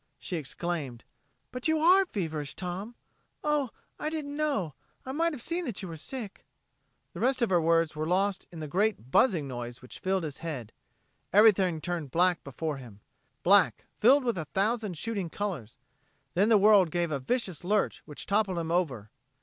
She exclaimed: "But you are feverish, Tom. Oh, I didn't know. I might have seen that you were sick...." The rest of her words were lost in the great buzzing noise which filled his head. Everything turned black before him black filled with a thousand shooting colors; then the world gave a vicious lurch which toppled him over.